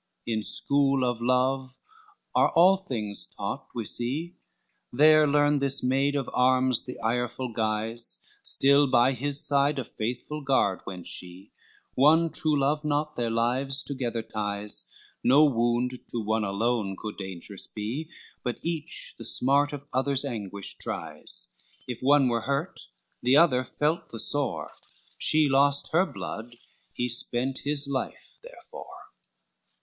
LVII In school of love are all things taught we see, There learned this maid of arms the ireful guise, Still by his side a faithful guard went she, One true love knot their lives together ties, No would to one alone could dangerous be, But each the smart of other's anguish tries, If one were hurt, the other felt the sore, She lost her blood, he spent his life therefore.